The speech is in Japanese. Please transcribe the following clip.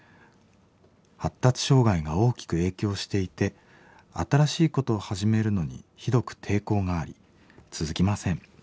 発達障害が大きく影響していて新しいことを始めるのにひどく抵抗があり続きません。